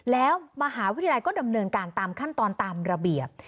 แล้วมหาวิทยาลัยก็ดำเนินการตามขั้นตอนตามระเบียบ